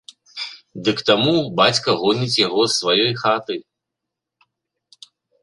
Ды к таму бацька гоніць яго з сваёй хаты.